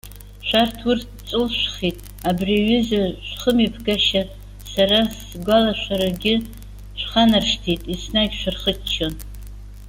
Шәарҭ, урҭ ҵәылшәхит, абри аҩыза шәхымҩаԥгашьа, сара сгәалашәарагьы шәханаршҭит, еснагь шәырхыччон.